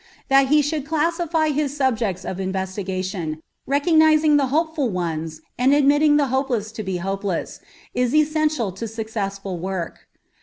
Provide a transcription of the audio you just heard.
That he should classify his subjects of investigation, recognizing the hopeful ones and admitting the hopeless to be hopeless, is essential to successful work.